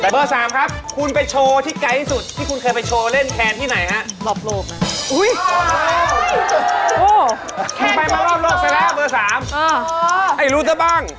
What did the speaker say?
เบอร์๓ให้รู้ซะบ้าง